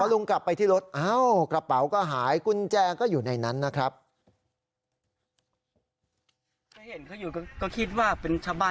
ลุงกลับไปที่รถกระเป๋าก็หายกุญแจก็อยู่ในนั้นนะครับ